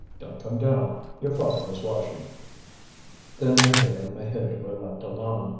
Don't come down, your father is washing." Then Maheu and Maheude were left alone.